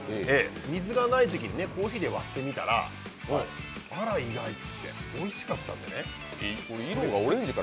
水がないときにコーヒーで割ってみたらあら、意外っておいしかったんで。